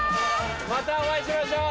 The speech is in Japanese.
またお会いしましょう。